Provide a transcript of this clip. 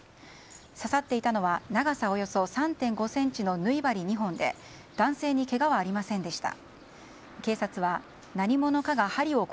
刺さっていたのは長さおよそ３．５ｃｍの縫い針２本で男性にけがはありませんでした。